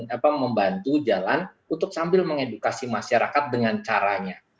apa membantu jalan untuk sambil mengedukasi masyarakat dengan caranya